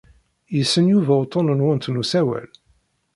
Yessen Yuba uḍḍun-nwent n usawal?